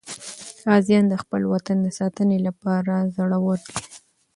غازیان د خپل وطن د ساتنې لپاره زړور دي.